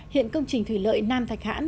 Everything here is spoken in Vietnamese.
hiện công trình thủy lợi nam thạch hãn